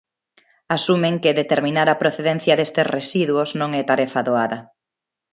Asumen que determinar a procedencia destes residuos non é tarefa doada.